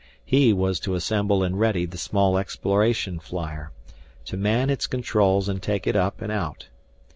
He was to assemble and ready the small exploration flyer, to man its controls and take it up and out.